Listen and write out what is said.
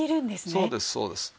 そうですそうです。